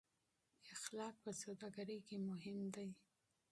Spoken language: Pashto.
اخلاق په سوداګرۍ کې مهم دي.